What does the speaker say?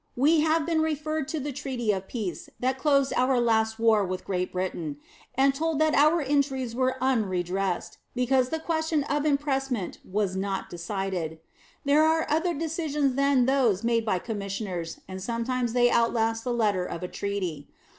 We have been referred to the treaty of peace that closed our last war with Great Britain, and told that our injuries were unredressed, because the question of impressment was not decided. There are other decisions than those made by commissioners, and sometimes they outlast the letter of a treaty.